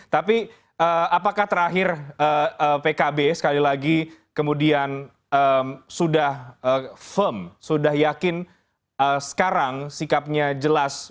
tapi apakah terakhir pkb sekali lagi kemudian sudah firm sudah yakin sekarang sikapnya jelas